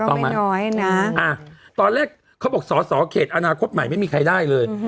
น้อยนะตอนแรกเขาบอกสอสอเขตอนาคตใหม่ไม่มีใครได้เลย